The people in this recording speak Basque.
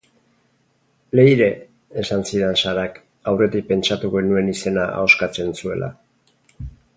Leire, esan zidan Sarak, aurretik pentsatu genuen izena ahoskatzen zuela.